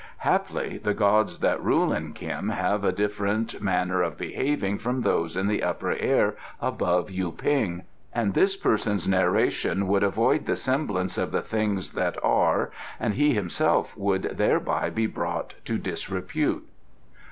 Haply the gods that rule in Khim have a different manner of behaving from those in the Upper Air above Yu ping, and this person's narration would avoid the semblance of the things that are and he himself would thereby be brought to disrepute."